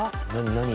何？